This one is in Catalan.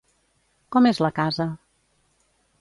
Com és la casa?